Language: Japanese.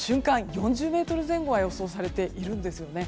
４０メートル前後は予想されているんですよね。